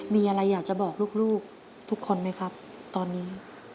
มีอะไรอยากจะบอกลูกทุกคนไหมครับตอนนี้